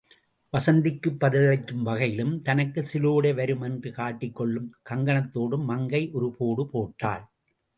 வசந்திக்குப் பதிலளிக்கும் வகையிலும், தனக்கு சிலேடை வரும் என்று காட்டிக் கொள்ளும் கங்கணத்தோடும் மங்கை, ஒரு போடு போட்டாள்.